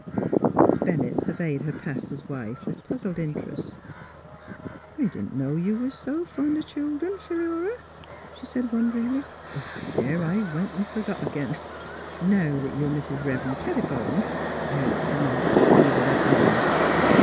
..." Miss Bennett surveyed her pastor's wife with puzzled interest. '^ I didn't know you was s' fond of childern, Philura, '' she said, wonderingly. '' There ! I went an' f ergot ag'in. Now 'at you're Miss Rev'ren' Pettibone I'd ought t' r 'member t' call you b' that name.